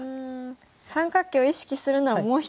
三角形を意識するならもう１つ。